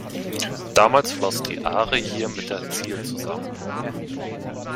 Damals floss die Aare hier mit der Zihl zusammen.